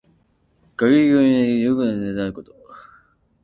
学識を磨いて、世に役立つ人材になること。